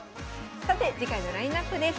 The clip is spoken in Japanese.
さて次回のラインナップです。